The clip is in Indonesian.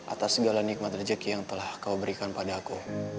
atas segala nikmat rezeki yang telah kau berikan pada aku